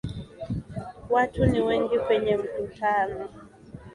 Watu ni wengi kwenye mkutano.